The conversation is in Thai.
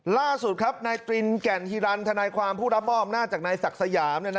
ล่าสุดครับนายตรินแก่นฮิรันทนายความผู้รับมอบอำนาจจากนายศักดิ์สยาม